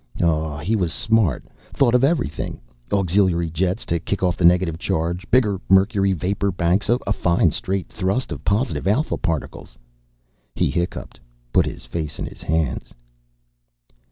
Oh, he was smart. Thought of everything. Auxiliary jets to kick off the negative charge, bigger mercury vapor banks a fine straight thrust of positive Alpha particles." He hiccuped, put his face in his hands.